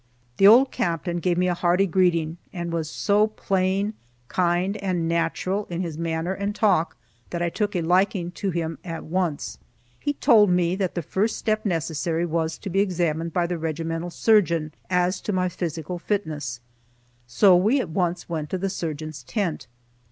The old Captain gave me a hearty greeting, and was so plain, kind and natural in his manner and talk, that I took a liking to him at once. He told me that the first step necessary was to be examined by the regimental surgeon as to my physical fitness, so we at once went to the surgeon's tent.